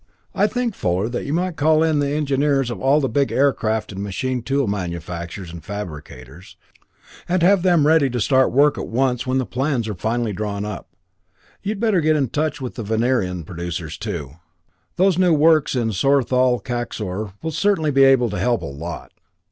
I think, Fuller, that you might call in the engineers of all the big aircraft and machine tool manufacturers and fabricators, and have them ready to start work at once when the plans are finally drawn up. You'd better get in touch with the Venerian producers, too. Those new works in Sorthol, Kaxor, will certainly be able to help a lot.